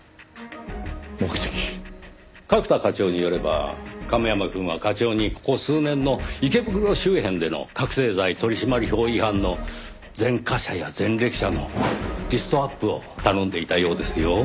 角田課長によれば亀山くんは課長にここ数年の池袋周辺での覚醒剤取締法違反の前科者や前歴者のリストアップを頼んでいたようですよ。